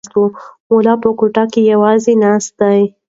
ملا په کوټه کې یوازې ناست دی.